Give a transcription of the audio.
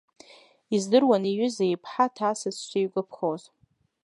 Издыруан иҩыза иԥҳа ҭацас дшигәаԥхоз.